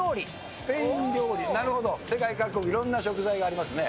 スペイン料理、なるほど、世界各国いろんな食材がありますね。